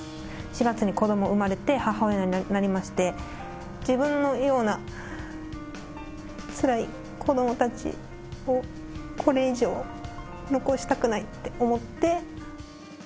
４月に子ども生まれて、母親になりまして、自分のようなつらい子どもたちをこれ以上残したくないって思って。